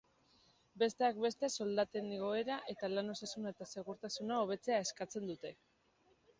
Besteak beste, soldaten igoera eta lan osasuna eta segurtasuna hobetzea eskatzen dute.